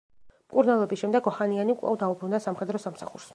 მკურნალობის შემდეგ, ოჰანიანი კვლავ დაუბრუნდა სამხედრო სამსახურს.